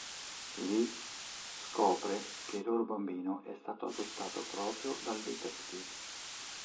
Lì, scopre che il loro bambino è stato adottato proprio dal detective.